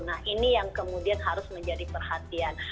nah ini yang kemudian harus menjadi perhatian